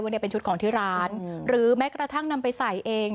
เนี่ยเป็นชุดของที่ร้านหรือแม้กระทั่งนำไปใส่เอง